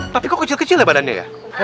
tapi kok kecil kecil ya badannya ya